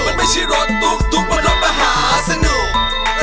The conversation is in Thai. มันไม่ใช่รถตุ๊กบนรถมหาสนุก